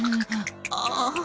ああ。